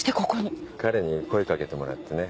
彼に声掛けてもらってね。